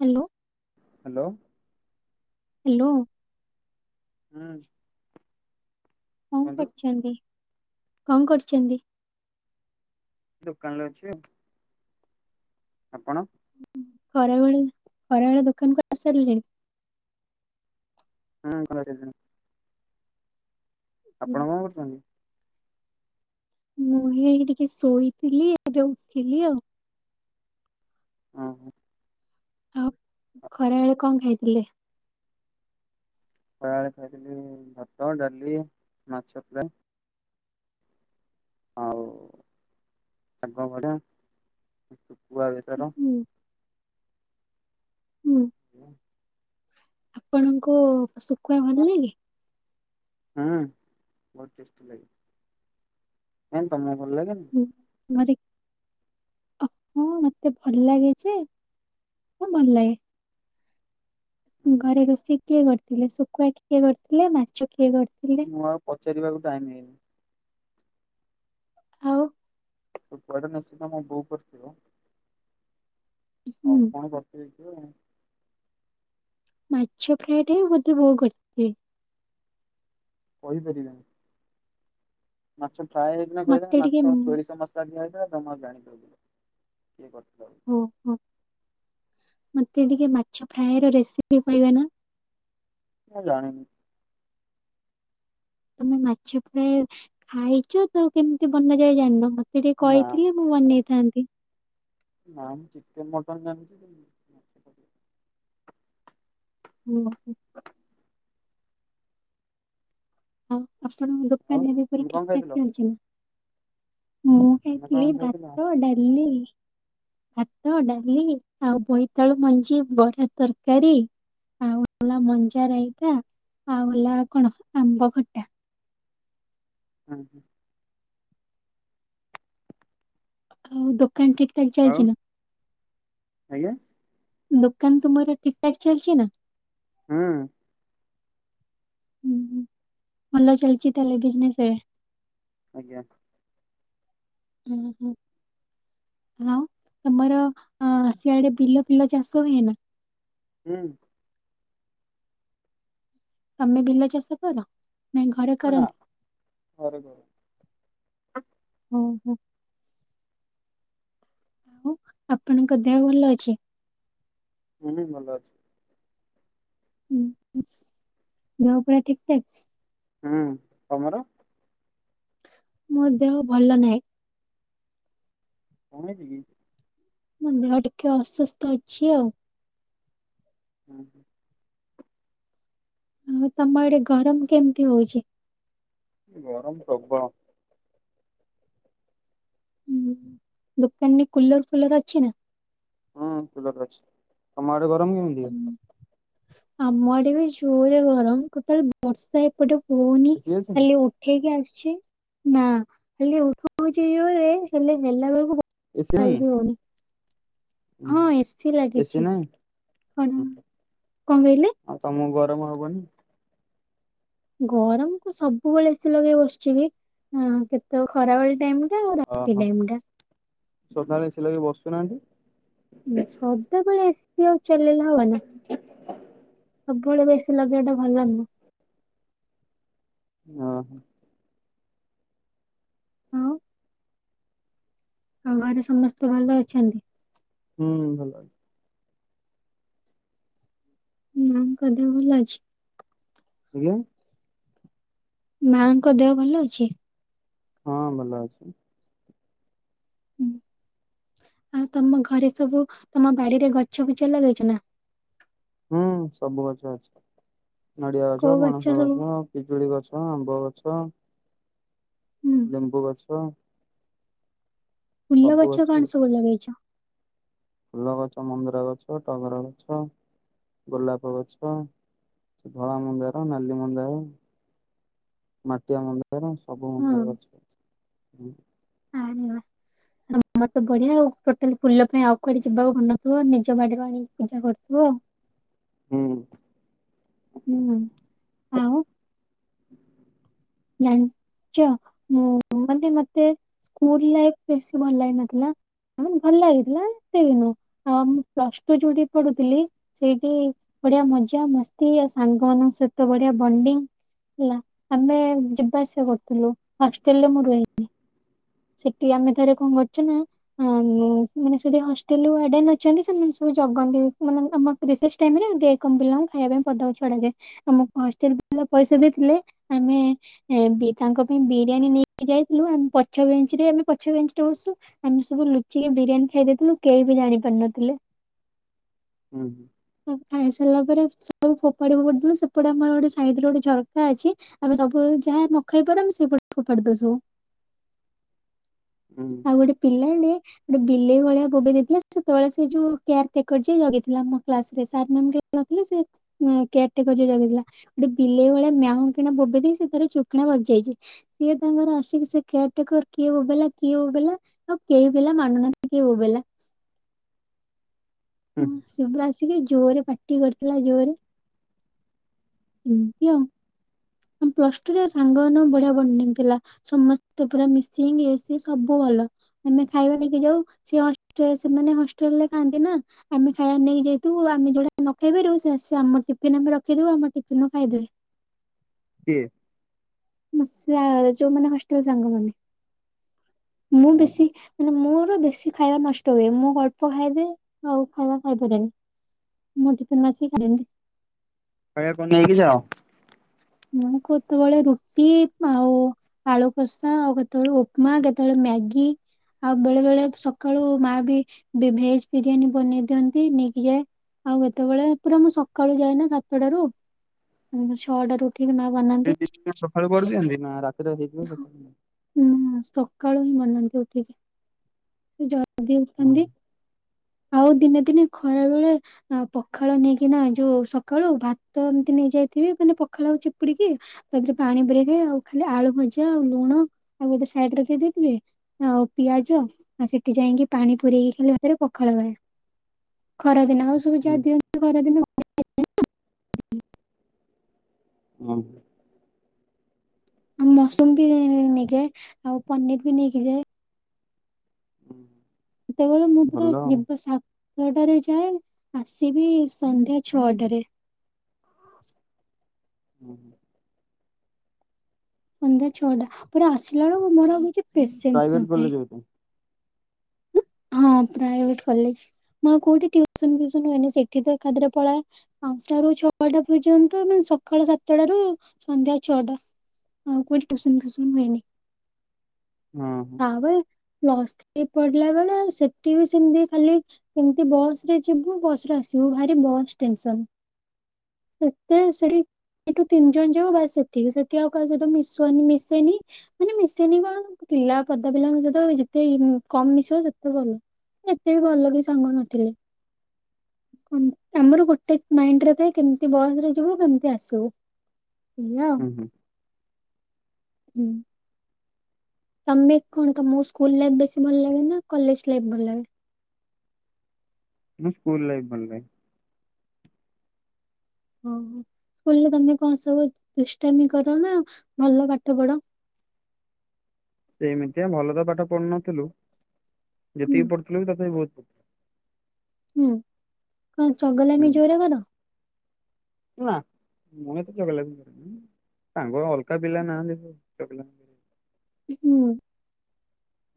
Hello hello hello ହୁଁ। କଣ କୁହନ୍ତୁ କରିଛନ୍ତି? କଣ କରଛନ୍ତି? ଦୋକାନ ରେ ଅଛି ଆଉ। ଆପଣ? ଖରାବେଳେ ଖରାବେଳେ ଦୋକାନ କ ଆସାରିଲେ। ହଁ କଲଜ [unintelligible] ଆପଣ କଣ କରୁଛନ୍ତି? ମୁଁହି ଟିକେ ଶୋଇଥିଲି ଏବେ ଉଠଥିଲି ଆଉ। ଓ ହୋ। ଆଉ ଖରା ବେଳେ କଣ ଖାଇଥିଲେ? ଖଳାବେଳେ ଖାଇଥିଲି ଭାତ, ଡାଲି, ମାଛ ଫ୍ରାଏ। ହଉ ସାଙ୍ଗ ବଡ କୁଆବେଚାର ହୁଁ ହୁଁ। ଆପଣଙ୍କୁ ପୁ କୁହ ଭଲ ଲଗେ? ହୁଁ ବହୁତ ଟେଷ୍ଟି ଲାଗେ। ତମ ହଁ ମରେ ଅ ହଁ ମତେ ଭଲ ଲାଗେ ଯେ, ହଁ ଭଲ ଲାଗେ। ଘରେ ରୋଷେଇ କିଏ କରି ଥିଲେ ଶୁଖୁଆ ଟ କିଏ କରିଥିଲେ ମାଛ କିଏ କରିଥିଲେ? ମୁଁ ଆଉ ପଚାରିବାକୁ ଟାଇମ୍ ହେଇନି। ଆଉ ପଢନ ନି ସିଧ ମୁ ବହୁ କରଥିଲ। ଆଉ ହୁଁ କଣ କରିଥିଲେ? ହୁଁ। ମାଛ ଫ୍ରାଏଟା ବୋଧେ ବୋଉ କରଛି। କହିପାରିବା ନି। ମାଛ। ଫ୍ରାଏ ହେଇଦିନ କହିଲା ମତେ ଟିକେ ମାଛ ସୋରି ମସଲା ଦିଆ କିରା ତମର ଜାଣିପାରିଲିନି କିଏ କରି ଓହୋ ମତେ ଟିକେ ମାଛ ଫ୍ରାଏ ର ରେସିପି କହିବେ ନା। ମୁଁ ଜାଣିନି। ତମେ ମାଛ ଫ୍ରାଏ ଖାଇଚ ତ କେମିତି ବନା ଯାଏ ଜାଣିନ ମ ସେ ଟିକେ ନା କହିଥିଲେ ମୁଁ ବନେଇଥାଆନ୍ତି। ନା ମୁଁ ଚିକେନ ମଟନ୍ ଜଣିଛି କିନ୍ତୁ ହୁଁ। ହଁ। ଆପଣଙ୍କ ଆଉ ଦୋକାନରେ ବେପାର ତମେ କଣ ଖାଇଥିଲ? ଠିକଠାକ ଚାଲଛି। ମୁଁ ତମେ ଖାଇଥିଲି କଣ ଖାଇଥିଲ? ଭାତ ଡାଲି ଭାତ ଡାଲି ଆଉ ବୋଇତାଳୁ ମଞ୍ଜି ବରା ତରକାରୀ ଆଉ ହେଲା ମଞ୍ଜା ରାଇତା ଆଉ ହେଲା କଣ ଆମ୍ବ। ଖଟା ହୁଁ ହୁଁ। ହଉ ଦ କଣ ଠିକ୍ ଠାକ୍ ଆଉ ଚାଲିଛି ନା। ଆଜ୍ଞା। ଦୋକାନ ତୁମର ଠିକ୍ ଠାକ୍ ଚାଲିଛି ନା। ହୁଁ। ହୁଁ ହୁଁ ଭଲ ଚାଲିଛି ତାହେଲେ ବିଜନେସେ ଆଜ୍ଞା। ହ ହୁଁ ଆଉ ତମର ଆସିବା ଆଡେ ବିଲ ଫିଲ ଚାଷ ହୁଏ ନା। ହୁଁ। ତମେ ବିଲ ଚାଷ କର। ନାଇଁ ଘରେ ହଁ କରନ୍ତି? ବର [unintelligible] ହ ଓ ହୋ। ଆଉ ଆପଣଙ୍କ ଦେହ ଭଲ ଅଛି। ହଁ ଭଲ ଅଛି। ହୁଁ ଗାଁ ପୁରା ଠିକ୍ ଠାକ୍। ହୁଁ ତମର। ମୋ ଦେହ ଭଲ ନାହିଁ। କଣ ହେଇଛିକି? ମୋ ଦେହ ଟିକେ ଅସୁସ୍ଥ ଅଛି ଆଉ। ହୁଁ ହୁଁ। ହଁ ତମ ଆଡେ ଗରମ କେମିତି ହଉଛି। ଗରମ ପ୍ରବଳ। ହୁଁ ଦୋକାନରେ କୁଲର ଫୁଲର ଅଛି ନା। ହଁ କୁଲର ଅଛି। ତମ ଆଡେ ଗରମ କେମିତି। ଉଁ, ଆମ ଆଡେ ବି ଜୋରେ ଗରମ୍। ଟୋଟାଲ ବର୍ଷା ଏପଟେ ହଉନି ଏସି ଅଛି ନା ଖାଲି ଉଠେଇକି ଆସ ଅଛି ନା ଖାଲି ଉଠଉଛି ଜୋରେ ହେଲେ ହେ଼ଲା ବେଳକୁ ଏସି ନାହିଁ ଟାଙ୍ଗି ହଉନି। ଉଁ ହଁ ହୁଁ ଏସି ଏସି ଲାଗିଛି ନାହିଁ କଣ କଣ ଉଁ ହୁଁ କହିଲେ? ଆଉ ତମକୁ ଗରମ ହବନି। ଗରମ କୁ ସବୁବେଳେ ଏସିି ଲଗେଇ ବସିଛି କି କେତେ ଖରାବେଳେ ଟାଇମ ଟା ଆଉ ରାତି ଓହୋ ଟାଇମ୍ ଟା। ସଦାବେଳେ ଏସି ଲଗେଇ ବସୁ ନାହାଁନ୍ତି। ସଦାବେଳେ ଏସି ଆଉ ଚଲେଇଲେ ହବନି। ସବୁବେଳେ ବା ଏସି ଲଗେଇବା ଟା ଭଲ ନୁହଁ। ଓହୋ। ହୁଁ। ଆଉ ଘରେ ସମସ୍ତେ ଭଲ ଅଛନ୍ତି? ହୁଁ ଭଲ ଅଛନ୍ତି। ମାଆଙ୍କ ଦେହ ଭଲ ଅଛି? ଆଜ୍ଞା? ମାଆଙ୍କ ଦେହ ଭଲ ଅଛି? ହଁ ଭଲ ଅଛି। ହଁ ଆଉ ତମ ଘରେ ସବୁ ତମ ବାଡିରେ ଗଛ ବୁଛ ଲଗେଇଛ ନା? ହୁଁ ସବୁ ଗଛ ଅଛି। ନଡିଆ କୋଉ ଗଛ, ପଣସ ସବୁ? ଗଛ, ପିଜୁଳି ଗଛ ହଁ ଆମ୍ୱ ଗଛ ହୁଁ ଲେମ୍ବୁ ଗଛ [inaudible] ଫୁଲ ଗଛ କଣ ସବୁ ଲଗେଇଛ? ଫୁଲ ଗଛ ମନ୍ଦାର ଗଛ, ଟଗର ଗଛ, ଗୋଲାପ ଗଛ, ଧଳା ମନ୍ଦାର, ନାଲି ମନ୍ଦାର, ମାଟିଆ ମନ୍ଦାର ସବୁ ହଁ ମନ୍ଦାର ଗଛ ଅଛି। ତମର ତ ବଢିଆ ଆଉ ଟୋଟାଲି ଫୁଲ ପାଇଁ ଆଉ କୁଆଡେ ଯିବାକୁ ପଡୁ ନଥିବ ନିଜ ବାଡିରୁ ଆଣିକି ପୂଜା କରୁଥିବ ଆଉ। ହୁଁ। ହୁଁ। [inaudible] ଜାଣିଛ ମାନେ ମତେ ସ୍କୁଲ ଲାଇଫ୍ ବେଶୀ ଭଲ ଲାଗିନଥିଲା ତାମାନେ ଭଲ ଲାଗିଥିଲା ଏତେ ବି ନୁହଁ। ଆଉ ମୁଁ ପ୍ଲସ୍ ଟୁ ଯୋଉଠି ପଢୁଥିଲି ସେଇଠି ବଢିଆ ମଜା ମସ୍ତି ଆଉ ସାଙ୍ଗମାନଙ୍କ ସହିତ ବଢିଆ ବଣ୍ଡିଙ୍ଗ ହେଲା ଆମେ ଯିବା ଆସିବା କରୁଥିଲୁ ହଷ୍ଟେଲ ରେ ମୁଁ ରୁହେନି। ସେଠି ଆମେ ଥରେ କଣ କରୁଛୁ ନା ମାନେ ସେଠି ହଷ୍ଟେଲର ୱେଡେର୍ନ ଅଛନ୍ତି ସେମାନେ ସବୁ ଜଗନ୍ତି ମାନେ ଆମ ରିସେସ ଟାଇମ୍ ରେ ଡେ କମ ପିଲାଙ୍କୁ ଖାଇବା ପାଇଁ ପଦାକୁ ଛଡାଯାଏ। ଆମକୁ ହଷ୍ଟେଲ ପିଲା ପଇସା ଦେଇଥିଲେ ଆମେ ତାଙ୍କ ପାଇଁ ବିରିୟାନୀ ନେଇକି ଯାଇଥିଲୁ ଆମେ ପ ପଛ ବେଞ୍ଚରେ ଆମେ ପଛ ବଞ୍ଚରେ ବସୁ ଆମେ ସବୁ ଲୁଚିକି ବିରିୟାନୀ ଖାଇ ଦେଇଥିଲୁ କେହିବି ଜାଣି ପାର ନଥିଲେ। କଣ ଖାଇ ସରିଲା ପରେ ସବୁ ଫୋପାଡି ଫୋପାଡି ଦେଲେ ସେପଟେ ଆମର ଗୋଟେ ସାଇଡ୍ ରେ ଗୋଟେ ଝରକା ଅଛି ଆମେ ସବୁ ଯାହା ନଖାଇପାଡୁ ଆମେ ସେପଟେ ଫୋପାଡି ଦଉ ସବୁ। ହୁଁ ଆଉ ଗୋଟେ ପିଲାବେଳେ ଗୋଟେ ବିଲେଇ ଭଳିଆ ବୋବେଇ ଦେଇଥିଲା ସେତେବେଳେ ସେ ଯୋଉ କେୟାର ଟେକର ଯିଏ ଜଗିଥିଲା ଆମ କ୍ଲାସ୍ ରେ ସାର୍ ମ୍ୟାମ କେହି ନଥିଲେ ସେ କେୟାର ଟେକର ଯିଏ ଜଗିଥିଲା ଗୋଟେ ବିଲେଇ ଭଳିଆ ମିଆଉଁ କିନା ବୋବେଇ ଦେଇକି ସେ ତାର ଚୁପ୍ କିନା ବସିଯାଇଛି ସିଏ ତାଙ୍କର ଆସିକି ସେ କେୟାର ଟେକର କିଏ ବୋବେଇଲା କିଏ ବୋବେଇଲା ଆଉ କେହି ପିଲା ମାନୁନାହାଁନ୍ତି କିଏ ବୋବେଇଲା। ହଁ ହୁଁ ସେ ପୁରା ଆସିକ ଜୋରେ ପାଟି କରିଥିଲା ଜୋରେ ଏମିତି ଆଉ ପ୍ଲସଟୁରେ ସାଙ୍ଗମାନଙ୍କ ବଢିଆ ବଣ୍ଡି ଥିଲା ସମସ୍ତେ ପୁରା ମିସୀଙ୍ଗି ସବୁ ଭଲ ଆମେ ଖାଇବା ନେଇକି ଯାଉ ସେ ସେମାନେ ହଷ୍ଟେଲରେ ଖାଆନ୍ତି ନା ଆମେ ଖାଇବା ନେଇକି ଯାଇ ଆମେ ଯୋଉଟା ନଖାଇ ପାରିବୁ ସେ ଆସିକି ଆମ ଟିପିନିରେ ଆମେ ରଖିଥିବୁ ଆମ ଟିପିନିରୁ ଖାଇଦେବେ। କିଏ ମୋ ସିୟା ଯୋଉ ମାନେ ହଷ୍ଟଲ ସାଙ୍ଗମାନେ ମୁଁ ଓହୋ। ବେଶୀ ମାନେ ମୋର ବେଶୀ ଖାଇବା ନଷ୍ଟ ହୁଏ ମୁଁ ଅଳ୍ପ ଖାଇଦିଏ ଆଉ ଖାଇବା ଖାଇପାରେନି ମୋ ଟିପିନିରୁ ଆସିକି ଖାଇ ଦିଅନ୍ତି। ଖାଇବା କଣ ନେଇକି ଯାଅ? ମୁଁ କେତେବେଳେ ରୁଟି ଆଉ ଆଳୁ କଷା ଆଉ କେତେବେଳେ ଉପମା କେତେବେଳେ ମ୍ୟାଗି ଆଉ ବେଳେ ବେଳେ ସକାଳୁ ମା ବି ଭେଜବିରିୟାନୀ ବନେଇ ଦିଅନ୍ତି ନେଇକି ଯାଏ ଆଉ କେତେବେଳେ ପୁରା ମୁଁ ସକାଳୁ ଯାଏନା ସାତଟାରୁ ଛଅଟାରୁ ଉଠିକି ମା ବନାନ୍ତି। ଘରେ ପଢୁଚନ୍ତି ନା ରା ଧ ମଳ ମାସ। ସକାଳୁ ହିଁ ମାନନ୍ତି ଉଠିକି ଆଗେ ହଁ ଉଠନ୍ତି। ଆଉ ଦିନେ ଦିନେ ଖରାବେଳେ ପଖାଳ ନେଇକିନା ଯୋଉ ସକାଳୁ ଭାତ ଏମିତି ନେଇ ଯାଇଥିବି ମାନେ ପଖାଳକୁ ଚିପୁଡିକି ତା ଦେହରେ ପାଣି ପୁରେଇକି ଆଉ ଖାଲି ଆଳୁ ଭଜା ଆଉ ଲୁଣ ଆଉ ଗୋଟେ ସାଇଡ୍ ଦେଇ ଦେଇଥିବେ ଆଉ ପିଆଜ ସେଠି ଯାଇକି ପାଣି ପୁରେଇକି ଖାଲି ଭାତରେ ପଖାଳ ଖାଏ ଖରା ଦିନ ଆଉ ସବୁ ହୁଁ ଯାହା ଦିଅନ୍ତି ଖରା ଦିନ ହଁ। ଆଉ ମସୁରୁମ୍ ବି ନେଇଯାଏ ଆଉ ପନିରବି ନେଇକି ଯାଏ। ହୁଁ। ସେତେବେଳେ ମୁଁ ପୁରା ଯିବ ସା ଛଅଟାରେ ଯାଏ ଆସିବି ସନ୍ଧ୍ୟା ଛଅଟାରେ। ହୁଁ ହୁଁ। ସନ୍ଧ୍ୟା ଛଅଟା ପୁରା ଆସିଲା ବେଳକୁ ମୋର ଆଉ କିଛି ପେସେନ୍ସ ପ୍ରାଇଭେଟ କଲେଜ ନଥାଏ। ବୋଧେ ହଁ ପ୍ରାଇଭେଟ୍ କଲେଜ ମୁଁ ଆଉ କୋଉଠି ଟିଉସନ ଫିଉସନ ହୁଏନି ସେଠିତ ଏକାଥରେ ପଳାଏ ପାଞ୍ଚଟାରୁ ଛଟା ପର୍ଯ୍ୟନ୍ତ ସକାଳ ସାତଟାର ସନ୍ଧ୍ୟା ଛଅଟା ଆଉ କୋଉଠି ଟିଉସନ ଫିଉସନ ହୁଏନି। ହଁ ହଁ [unintelligible] ପ୍ଲସଥ୍ରି ପଡିଲା ବେଳେ ସେଠିବି ସେମିତି ଖାଲି ସେମିତି ବସ୍ ରେ ଯିବୁ ବସ୍ ରେ ଆସିବୁ ଭାରି ବସ୍ ଟେନସନ୍ ସେତେ ସେଢି ଏଠୁ ତିନି ଜଣ ଯିବୁ ବାସ୍ ସେତିକି ସେଠି ଆଉ କାହା ସହିତ ମିଶୋ ମିଶେନି ମାନେ ମିଶେନି କଣ ପିଲା ପଦା ପିଲାଙ୍କ ସହିତ ଯେତେ କମ୍ ମିଶିବ ସବୁ ଭଲ ଏତେବି ଭଲ କେହି ସାଙ୍ଗ ନଥିଲେ କଣ ଆମର ଗୋଟେ ମାଇଣ୍ଡିରେ ଥାଏ କେମତି ବସରେ ଯିବୁ କେମତି ଆସିବୁ। ଲ ହୁଁ ହୁଁ ହୁଁ ତମେ କଣ ତମ ସ୍କୁଲ ଲାଇଫି ବେଶୀ ଭଲ ଲାଗେନା କଲେଜ ଲାଇଫି ଭଲ ଲାଗେ। ମୁଁ ସ୍କୁଲ ଲାଇଫ ବଲେ ଓହୋ ସ୍କୁଲରେ ତମେ କଣ ସବୁ ଦୁଷ୍ଟାମି କର ନା ଭଲ ପାଠ ପଢ? ସେ ଏମିତିଆ ଭଲ ତ ପାଠ ପଢୁନଥିଲୁ ହୁଁ ଯେତିକି ପଢୁଥିଲେ ବି ତଥାପି ବହୁତ। ହୁଁ, କ ଚଗଲାମି ହୁଁ ଜୋରେ କର? ନା ମୁଁ ତ ଚଗଲାମି ବର ସାଙ୍ଗ ଅଲକା ପିଲା ନା ଦେ ଚକଲା ବ- ହୁଁ।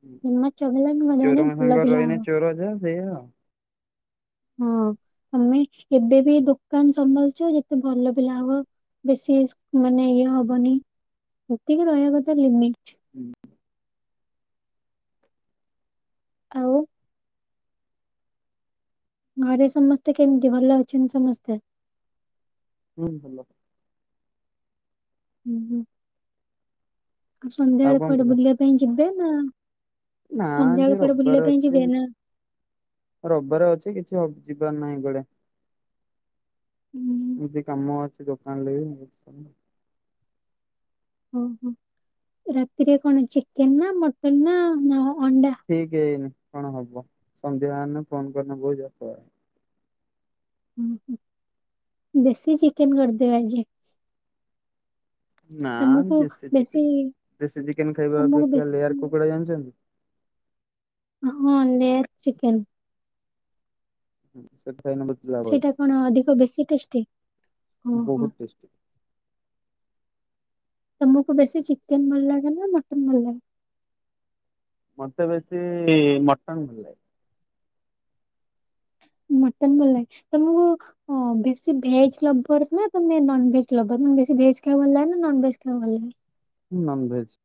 ହୁଁ ଏ ଚଗଲାମି ମନେ ମନେ ଭଲ ପିଲା ହବ। ସେୟା ଆଉ। ହଁ ଆମେ ଏବେ ବି ଦୋକାନ ସମ୍ଭାଳୁଛୁ ଯେତେ ଭଲ ପିଲା ହବ ବେଶୀ ମାନେ ଇଏ ହବନି ଏତିକି ରହିବା କଥା ଲିମିଟ୍। ହୁଁ ଆଉ। ଘରେ ସମସ୍ତେ କେମିତି ଭଲ ଅଛନ୍ତି ସମସ୍ତେ? ହୁଁ ଭଲ। ହୁଁ ହୁଁ। ଆଉ ସନ୍ଧ୍ୟା ବେଳେ କଣ କୁଆଡେ ଥିଲା ବୁଲିବା ପାଇଁ ଯିବେ ନା ନା ସନ୍ଧ୍ୟାବେଳେ ଆଜି କୁଆଡେ ବୁଲିବା ରବିବାର ପାଇଁ ଅଛି ଯିବେ ନା ରବିବାର ଅଛି କିଛିହବ ଯିବାର ନାହିଁ କୁଆଡେ। ହୁଁ ଏମତି କାମ ଅଛି ଦୋକାନରେ ବି। ଓ ହୋ ରାତିରେ କଣ ଚିକେନ ନା ମଟନ ନା ନା ଅଣ୍ଡା? ଠିକ ହେଇନି। କଣ ହବ ସନ୍ଧ୍ୟା ହେଲେ ଫୋନ କରିଲେ ବହୁତ ଯାତ୍ରା। ହ ହଁ ଦେଶୀ ଚିକେନ କରିଦେବେ ଆଜି। ନା ତମକୁ ଦେଶୀ ବେଶୀ ଚିକେନ ଦେଶୀ ଚିକେନ ଖାଇବା ତମକୁ ଅପେକ୍ଷା ବେଶୀ ଲେୟାର କୁକୁଡା ଜାଣିଛନ୍ତି? ହଁ ଲେୟାର ଚିକେନ୍ ହୁଁ ସେ। ସେଇଟା କଣ ଅଧିକ ବେଶୀ ଟେଷ୍ଟି? ଓ ହୋ। ବହୁତ ଟେଷ୍ଟି। ତମକୁ ବେଶୀ ଚିକେନ ଭଲ ଲାଗେ ନା ମଟନ ଭଲ ଲାଗେ? ମତେ ବେଶୀ ମଟନ ଭଲ ଲାଗେ। ମଟନ ଭଲ ଲାଗେ ତମକୁ ବେଶୀ ଭେଜ ଲଭର ନା ତମେ ନନଭେଜ ଲଭର୍ ନା ବେଶି ଭେଜ ଖଇବାକୁ ଭଲ ଲାଗେ ନନଭେଜ ଖାଇବାକୁ ଭଲ ଲାଗେ? ନନଭେଜ।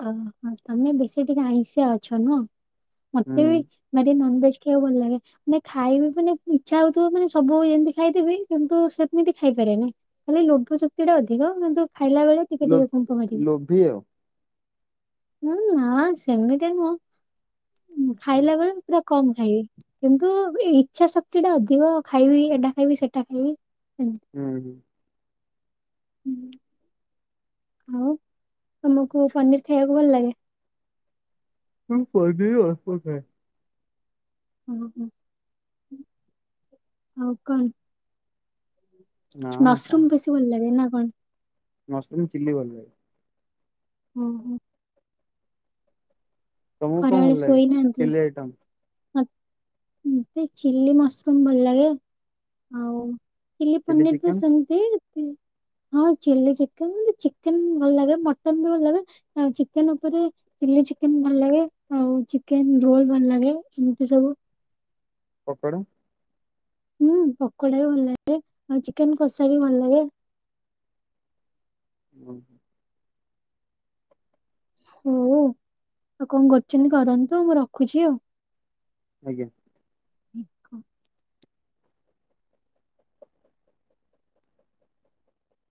ଓ ହୋ ତମେ ବେଶୀ ଟିକେ ଆଇଁଷିଆ ଅଛ ନୁହଁ। ମତେ ହୁଁ। ବି ମାନେ ନନବେଜ୍ ଦେଖିବାକୁ ଭଲ ଲାଗେ ମାନେ ଖାଇବି ମାନେ ଇଚ୍ଛା ହଉଥିବ ମାନେ ସବୁ ଯେମିତି ଖାଇଥବି କିନ୍ତୁ ସେମିତି ଖାଇପାରିବନି ଖାଲି ଲୋଭ ଶକ୍ତି ଟା ଅଧିକ। କିନ୍ତୁ ଖାଇଲା ବେଳେ ଟିକେ ଲୋ ଟିକେ କୁମ୍ପ ମାରିବି। ଲୋଭି ଆଉ ହୁଁ ନାଁ ସେମିତି ନୁହଁ। ହୁଁ ଖାଇଲା ବେଳେ ପୁରା କମ ଖାଇବି କିନ୍ତୁ ଏ ଇଚ୍ଛା ଶକ୍ତି ଟା ଅଧିକ ଖାଇବି ଏଟା ଖାଇବି ସେଟା ଖାଇବି। ଏମିତି ହୁଁ ହୁଁ। ହୁଁ। ଆଉ। ତମକୁ ପନିର ଖାଇବାକୁ ଭଲ ଲାଗେ। ମୁଁ ପନିର ଅଳ୍ପ ଖାଏ। ହଁ ହଁ ଆଉ କଣ। ନା ମସରୁମ ବେଶୀ ଭଲ ଲାଗେନା। ହଁ। ମଶରୁମ ଚି଼ଲି ଭଲ ଲାଗେ। ଉଁ ହୁଁ। ତମକୁ କଣ ଭଲ ଲାଗେ ଚି଼ଲି ଆଇଟମ୍? ମ ମତେ ଚି଼ଲ୍ଲୀ ମସରୁମ ଭଲ ଲାଗେ ଆଉ। ଚିଲି ପନିର ବି ସେମତି। ଉଁ ହଁ ଚି଼ଲି ଚିକେନ ବି ଚିକେନ ଭଲ ଲାଗେ ମଟନ ବି ଭଲ ଲାଗେ ଆଉ ଚିକେନ ଉପରେ ଚିଲି ଚିକେନ ଭଲ ଲାଗେ। ଆଉ ଚିକେନ ରୋଲ ଭଲ ଲାଗେ ଏମିତି ସବୁ। ପକୋଡ଼ା। ହୁଁ ପକୋଡ଼ା ବି ଭଲ ଲାଗେ ଆଉ ଚିକେନ କଷା ବି ଭଲ ଲାଗେ। ହୁଁ। ହୋ ଆଉ କଣ କରୁଛନ୍ତି କରନ୍ତୁ ମୁଁ ରଖୁଛି ଆଉ। ଆଜ୍ଞା। [unintelligible] ଖ।